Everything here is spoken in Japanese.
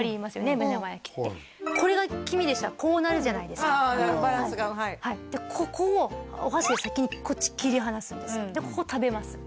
目玉焼きってこれが黄身でしたらこうなるじゃないですかああバランスがはいここをお箸で先にこっち切り離すんですでここ食べます